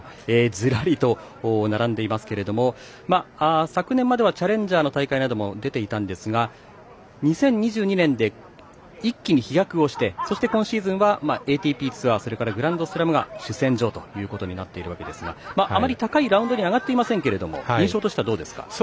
ずらりと並んでいますが昨年まではチャレンジャーの大会なども出ていたんですが、２０２２年で一気に飛躍をして今シーズンはＡＴＰツアーとグランドスラムが主戦場となっていますがあまり高い場に上がっていませんが印象としてはどうですか。